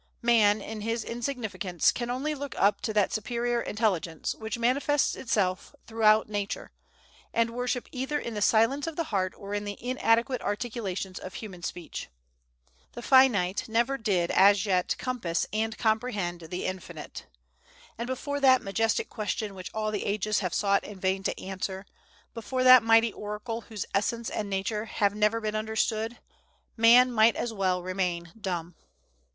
Man, in his insignificance, can only look up to that superior Intelligence, which manifests itself throughout Nature, and worship either in the silence of the heart or in the inadequate articulations of human speech. The finite never did as yet compass and comprehend the Infinite. And before that majestic question which all the Ages have sought in vain to answer, before that mighty Oracle whose essence and nature have never been understood, man might as well remain dumb.